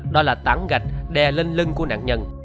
đó là tảng gạch đè lên lưng của nạn nhân